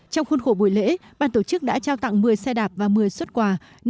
trong khuôn khổ buổi lễ ban tổ chức đã trao tặng một mươi xe đạp và một mươi xuất quà